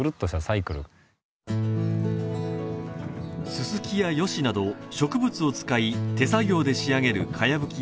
ススキやヨシなど植物を使い手作業で仕上げるかやぶき